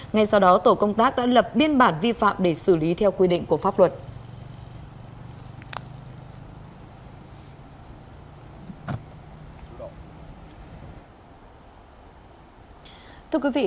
ngay sau đó tổ công tác đã lập biên bản vi phạm để xử lý theo quy định của pháp luật